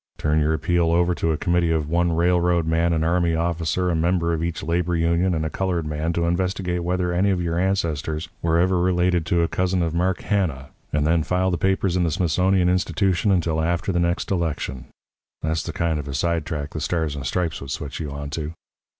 Turn your appeal over to a committee of one railroad man, an army officer, a member of each labour union, and a coloured man to investigate whether any of your ancestors were ever related to a cousin of Mark Hanna, and then file the papers in the Smithsonian Institution until after the next election. That's the kind of a sidetrack the Stars and Stripes would switch you onto.'